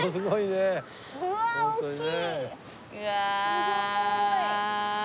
すごーい！